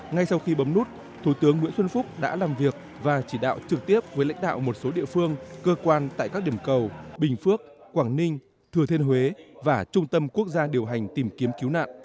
ngay sau khi bấm nút thủ tướng nguyễn xuân phúc đã làm việc và chỉ đạo trực tiếp với lãnh đạo một số địa phương cơ quan tại các điểm cầu bình phước quảng ninh thừa thiên huế và trung tâm quốc gia điều hành tìm kiếm cứu nạn